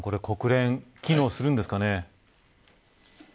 国連機能するんですかね。